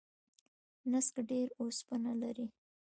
نسک ډیر اوسپنه لري.